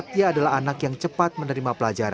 secara iya semangatnya terbesar